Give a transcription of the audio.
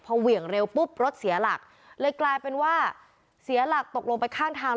เหวี่ยงเร็วปุ๊บรถเสียหลักเลยกลายเป็นว่าเสียหลักตกลงไปข้างทาง